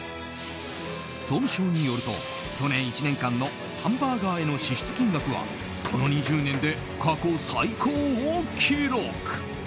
総務省によると、去年１年間のハンバーガーへの支出金額はこの２０年で過去最高を記録。